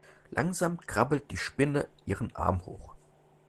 Langsam krabbelt die Spinne ihren Arm hoch.